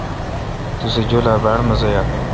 تو سہ جولا باڑ مزہ یال۔